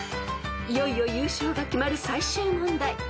［いよいよ優勝が決まる最終問題］